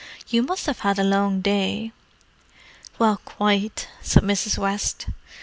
"You must have had a long day." "Well, quite," said Mrs. West.